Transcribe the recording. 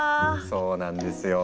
そうなんですよ。